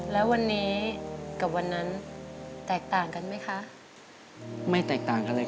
แล้ววันนี้กับวันนั้นแตกต่างกันไหมคะ